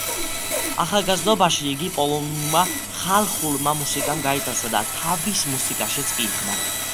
ახალგაზრდობაში იგი პოლონურმა ხალხურმა მუსიკამ გაიტაცა და თავის მუსიკაშიც კი იხმარა.